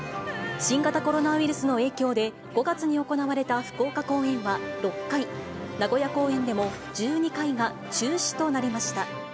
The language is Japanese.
新型コロナウイルスの影響で、５月に行われた福岡公演は６回、名古屋公演でも１２回が中止となりました。